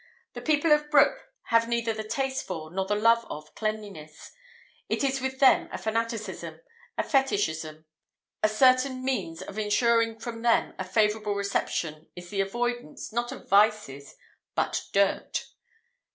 "The people of Broek have neither the taste for, nor the love of, cleanliness; it is with them a fanaticism, a fetichism. A certain means of ensuring from them a favourable reception is the avoidance, not of vices, but dirt."